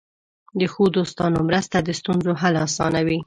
د ښو دوستانو مرسته د ستونزو حل آسانوي.